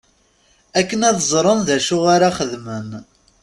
Akken ad ẓren d acu ara xedmen.